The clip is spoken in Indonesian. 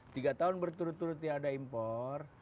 tiga tahun berturut turut tidak ada impor